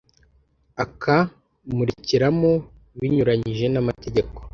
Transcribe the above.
akamurekeramo binyuranyije n amategeko